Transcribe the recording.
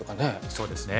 そうですね。